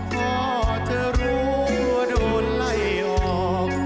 พอเธอรู้ว่าโดนไล่ออก